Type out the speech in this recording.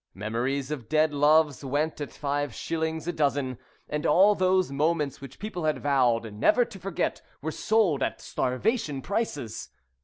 Memories of dead loves went at five shillings a dozen, and all those moments which people had vowed never to forget were sold at starvation prices.